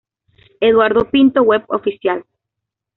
Eduardo Pinto Web Oficial